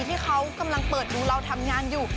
ที่เขากำลังเปิดดูเราทำงานอยู่